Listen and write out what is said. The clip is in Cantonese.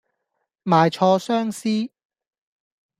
賣錯相思